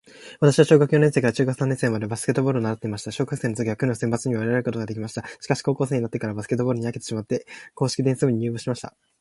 私は小学四年生から中学三年生までバスケットボールを習っていました。小学生の時は区の選抜にも選ばれることができました。しかし、高校生になってからバスケットボールに飽きてしまって硬式テニス部に入部しました。